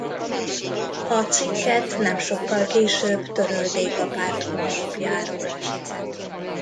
A cikket nem sokkal később törölték a párt honlapjáról.